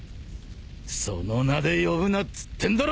その名で呼ぶなっつってんだろ！